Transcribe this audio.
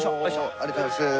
ありがとうございます。